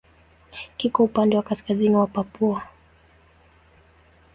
Kiko upande wa kaskazini wa Papua.